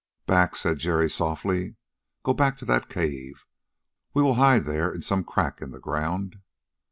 "Back," said Jerry softly. "Go back to that cave. We will hide there in some crack in the ground."